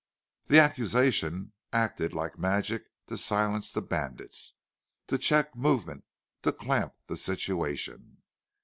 The accusation acted like magic to silence the bandits, to check movement, to clamp the situation.